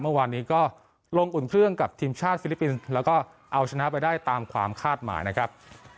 เมื่อวานนี้ก็ลงอุ่นเครื่องกับทีมชาติฟิลิปปินส์แล้วก็เอาชนะไปได้ตามความคาดหมายนะครับ